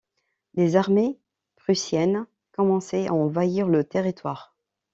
Les armées prussiennes commençaient à envahir le territoire.